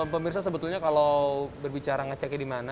pemirsa sebetulnya kalau berbicara ngeceknya dimana